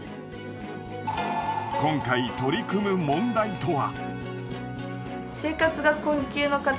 今回取り組む問題とは？